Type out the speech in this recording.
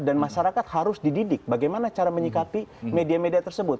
dan masyarakat harus dididik bagaimana cara menyikapi media media tersebut